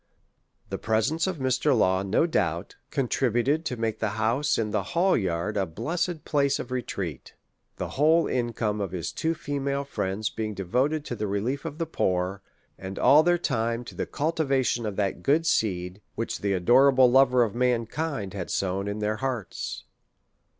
The presence of Mr. Law, no doubt, contributed to make the house in " The Hall Yard " a blessed place of retreat ; the whole income of his tv/o female friends being devoted to the relief of the poor, and all their time to the cultivation of that good seed, which the adorable Lover of Mankind had sow^n in their hearts.